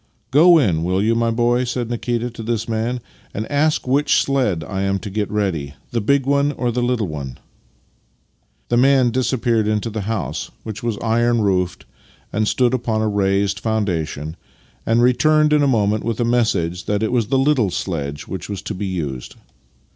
" Go in, will 3' ou, my boy," said Nikita to this man, " and ask which sledge 1 am to get ready — the big one or the httle one? " The man disappeared into the house (which was iron roofed and stood upon a raised foundation), and returned in a moment with a message that it was the little sledge which was to be used.